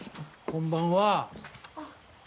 こんばんは。